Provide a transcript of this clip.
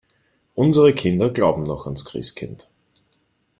Unsere Kinder glauben noch ans Christkind.